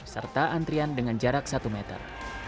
serta antrian dengan jarak satu meter